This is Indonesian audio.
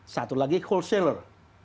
satu lagi wholesaler